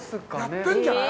やってんじゃない？